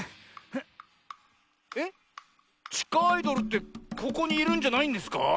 えっちかアイドルってここにいるんじゃないんですか？